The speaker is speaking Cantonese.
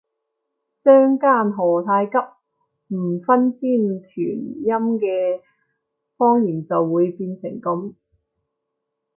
相姦何太急，唔分尖團音嘅方言就會變成噉